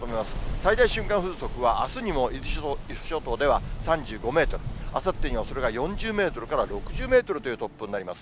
最大瞬間風速は、あすにも伊豆諸島では３５メートル、あさってにはそれが４０メートルから６０メートルという突風になります。